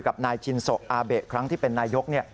กับนายชินโซอาเบะครั้งที่เป็นนายก